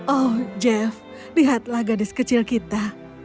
oh jeff lihatlah gadis kecil kita